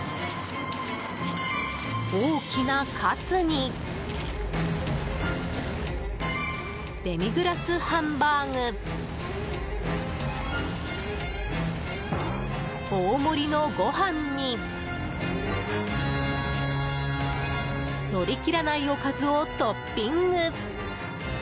大きなカツにデミグラスハンバーグ大盛りのご飯にのりきらないおかずをトッピング。